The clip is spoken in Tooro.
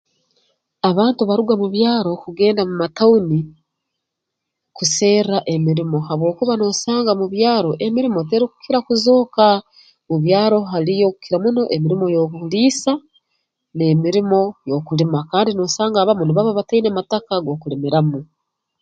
Abantu baruga mu byaro kugenda mu matauni kuserra emirimo habwokuba noosanga mu byaro emirimo terukukira kuzooka mu byaro haliyo kukira muno emirimo y'obuliisa n'emirimo y'okulima kandi noosanga abamu nibaba bataine mataka g'okulimiramu